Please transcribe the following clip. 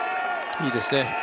いいですね。